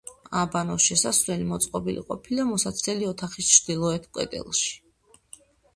აბანოს შესასვლელი მოწყობილი ყოფილა მოსაცდელი ოთახის ჩრდილოეთ კედელში.